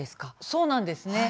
そうなんです。